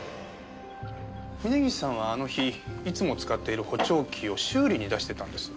峰岸さんはあの日いつも使っている補聴器を修理に出していたんです。